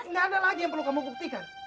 nggak ada lagi yang perlu kamu buktikan